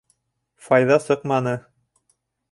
Файҙа сыҡманы.